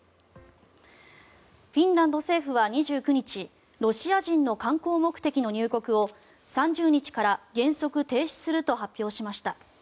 フィンランド政府は２９日ロシア人の観光目的の入国を３０日から原則停止すると発表しました。